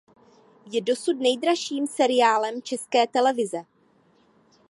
Je dosud nejdražším seriálem České televize.